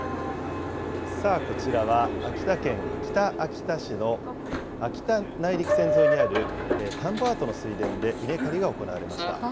さあ、こちらは秋田県北秋田市の秋田内陸線沿いにある田んぼアートの水田で稲刈りが行われました。